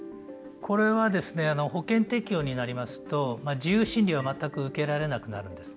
これは保険適用になると自由診療を全く受けられなくなる。